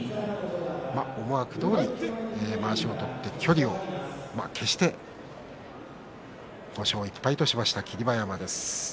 思惑どおりまわしを取って、距離を消して５勝１敗としました霧馬山です。